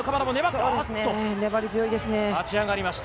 粘り強いですね。